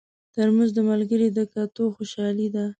ترموز د ملګري د کتو خوشالي ده.